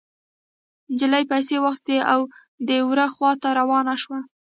نجلۍ پيسې واخيستې او د وره خوا ته روانه شوه.